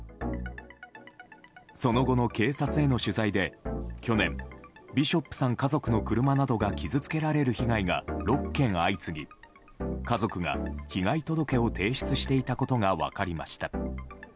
その後の警察への取材で去年、ビショップさん家族の車などが傷つけられる被害が６件相次ぎ家族が被害届を提出していたことが分かりました。